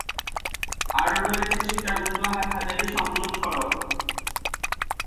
আরো রয়েছে সীতাকুণ্ড-হাটহাজারী সংযোগ সড়ক।